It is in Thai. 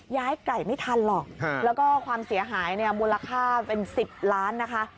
ย้ายไก่ไม่ทันหรอกแล้วก็ความเสียหายเนี่ยมูลค่าเป็น๑๐ล้านนะคะ